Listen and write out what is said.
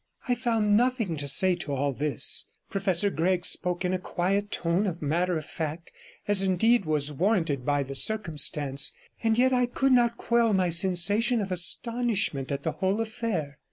I found nothing to say to all this; Professor Gregg spoke in a quiet tone of matter of fact, as indeed was warranted by the circumstance; and yet I could not quell my sensation of astonishment at the whole affair.